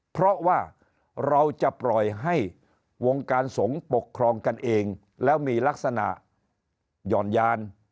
เพราะว่าเราจะปล่อยให้วงการสงฆ์ปกครองกันเองแล้วมีลักษณะหย่อนยาน